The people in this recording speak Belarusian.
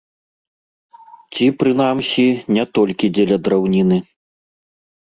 Ці, прынамсі, не толькі дзеля драўніны.